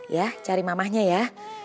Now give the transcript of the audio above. ya cari mamahnya ya